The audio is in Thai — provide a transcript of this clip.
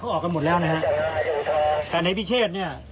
ออกกันหมดแล้วนะฮะแต่ในพิเชษเนี่ย